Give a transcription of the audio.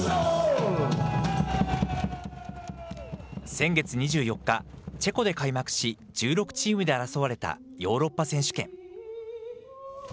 先月２４日、チェコで開幕し、１６チームで争われたヨーロッパ選手権。